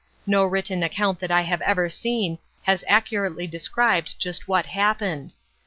No written account that I have ever seen has accurately described just what happened.